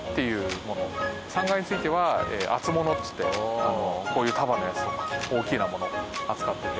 ３階については厚物っつってこういう束のやつとか大きなものを扱ってて。